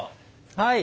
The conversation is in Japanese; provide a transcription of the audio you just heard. はい。